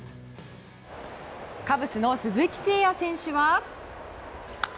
カブスの鈴木誠也選手は。